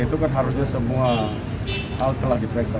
itu kan harusnya semua hal telah diperiksa